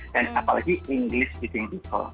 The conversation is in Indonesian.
dan apalagi inggris gitu yang ditulis